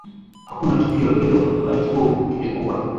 hakuna tukio hilo wakati huu tulikuwa